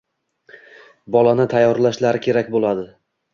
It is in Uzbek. bolani tayyorlashlari kerak bo‘ladi.